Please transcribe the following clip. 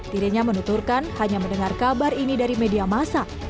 dirinya menuturkan hanya mendengar kabar ini dari media masa